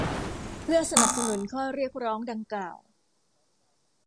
เพื่อสนับสนุนข้อเรียกร้องดังกล่าว